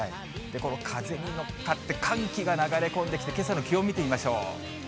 この風に乗って寒気が流れ込んできて、けさの気温見てみましょう。